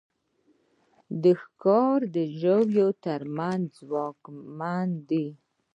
ښکاري د ژويو تر منځ ځواکمن دی.